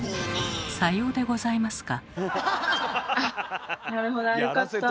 さようでございますか。